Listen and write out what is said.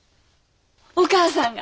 お母さんが？